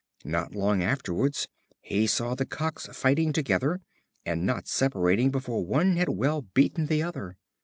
Not long afterwards he saw the Cocks fighting together, and not separating before one had well beaten the other.